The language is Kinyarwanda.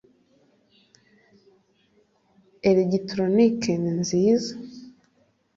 elegitoroniki ninziza.